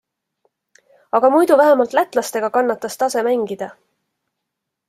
Aga muidu vähemalt lätlastega kannatas tase mängida.